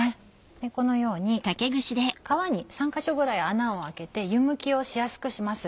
このように皮に３か所ぐらい穴を開けて湯むきをしやすくします。